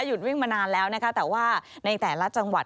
วิ่งมานานแล้วนะคะแต่ว่าในแต่ละจังหวัด